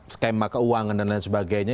skema keuangan dan lain sebagainya